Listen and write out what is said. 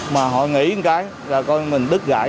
mà họ nghĩ một cái là coi mình đứt gãy